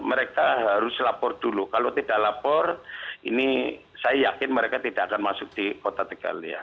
mereka harus lapor dulu kalau tidak lapor ini saya yakin mereka tidak akan masuk di kota tegal ya